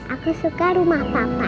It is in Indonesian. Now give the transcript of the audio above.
aku suka rumah papa